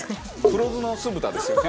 黒酢の酢豚ですよね。